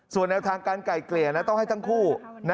ส่วนแนวทางการไก่เกลี่ยต้องให้ทั้งคู่